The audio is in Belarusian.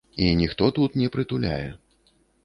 І ніхто тут не прытуляе.